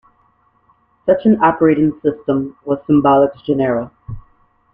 Such an operating system was Symbolics Genera.